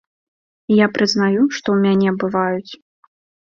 І я прызнаю, што ў мяне бываюць.